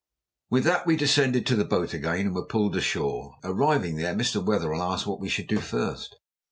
With that we descended to the boat again, and were pulled ashore. Arriving there, Mr. Wetherell asked what we should do first.